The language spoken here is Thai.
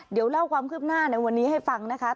เดี๋ยวเล่าความคืบหน้าในวันนี้ให้ฟังนะคะ